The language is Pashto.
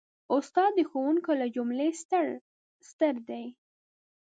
استاد د ښوونکو له جملې ستر دی.